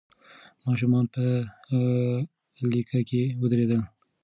ماشومان په لیکه کې ودرېدل.